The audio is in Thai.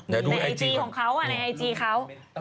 ในไอจีของเขาในไอจีเขา